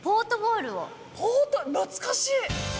ポート懐かしい！